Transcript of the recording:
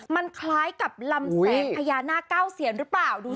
มันคล้ายกับลำแสงพญานาคเก้าเซียนหรือเปล่าดู